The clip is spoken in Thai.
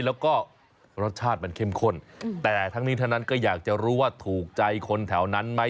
แล้วก็รสชาติมันเข้มข้นแต่ทั้งนี้ทั้งนั้นก็อยากจะรู้ว่าถูกใจคนแถวนั้นไหม